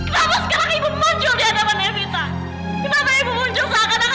kenapa sekarang ibu muncul di hadapan evita